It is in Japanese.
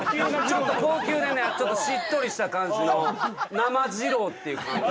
ちょっと高級なねちょっとしっとりした感じの生じろうっていう感じ。